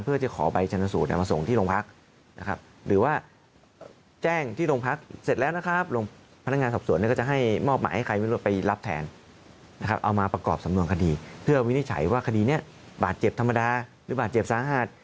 เพื่อวินิจฉัยว่าคดีนี้บาดเจ็บธรรมดาหรือบาดเจ็บสาหาด